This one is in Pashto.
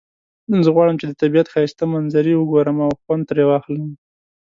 زه غواړم چې د طبیعت ښایسته منظری وګورم او خوند ترینه واخلم